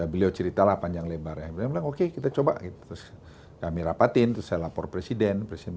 beliau cerita lah panjang lebar ya oke kita coba itu kami rapatin selapor presiden presiden